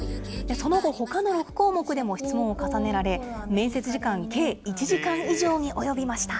その後、ほかの６項目でも質問を重ねられ、面接時間計１時間以上に及びました。